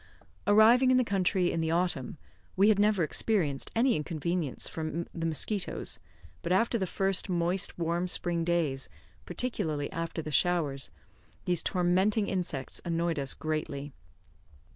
Arriving in the country in the autumn, we had never experienced any inconvenience from the mosquitoes, but after the first moist, warm spring days, particularly after the showers, these tormenting insects annoyed us greatly.